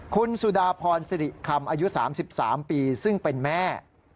คุณสุดาพรสิริคำอายุ๓๓ปีซึ่งเป็นแม่